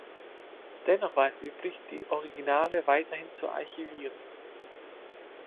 Dennoch war es üblich, die Originale weiterhin zu archivieren.